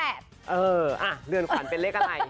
เออเรือนขวัญเป็นเลขอะไร